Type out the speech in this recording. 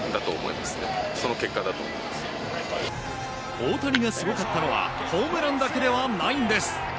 大谷がすごかったのはホームランだけじゃないんです。